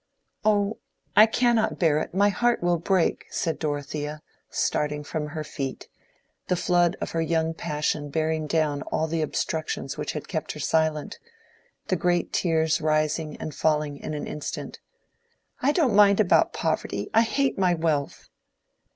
"Oh, I cannot bear it—my heart will break," said Dorothea, starting from her seat, the flood of her young passion bearing down all the obstructions which had kept her silent—the great tears rising and falling in an instant: "I don't mind about poverty—I hate my wealth."